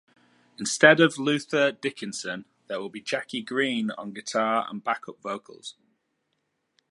Instead of Luther Dickinson, there will be Jackie Greene on guitars and backup vocals.